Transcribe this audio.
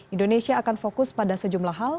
indonesia akan fokus pada sejumlah hal